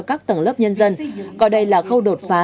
các tầng lớp nhân dân coi đây là khâu đột phá